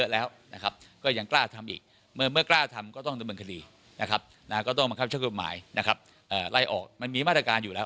ไล่ออกให้หมด